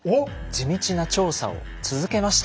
地道な調査を続けました。